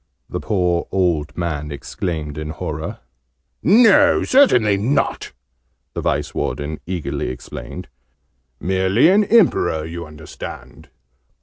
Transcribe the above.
the poor old man exclaimed in horror. "No! Certainly not!" the Vice Warden eagerly explained. "Merely an Emperor, you understand."